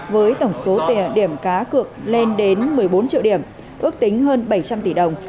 với tổng số tiền điểm cá cược lên đến một mươi bốn triệu điểm ước tính hơn bảy trăm linh tỷ đồng